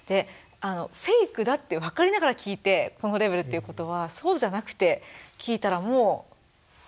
フェイクだって分かりながら聞いてこのレベルっていうことはそうじゃなくて聞いたらもうノックアウトですよね